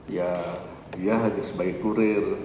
ya dia hanya sebagai kurir